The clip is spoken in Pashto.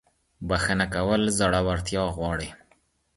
• بخښنه کول زړورتیا غواړي.